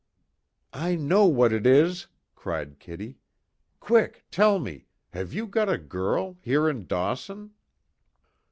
"I know what it is!" cried Kitty, "Quick tell me have you got a girl here in Dawson?"